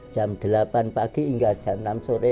jam delapan pagi hingga jam enam sore